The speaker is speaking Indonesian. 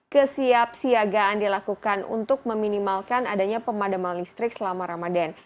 kesiapsiagaan dilakukan untuk meminimalkan adanya pemadaman listrik selama ramadan